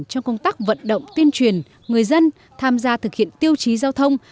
trong công tác vận động tuyên truyền người dân tham gia thực hiện tiêu chí giao thông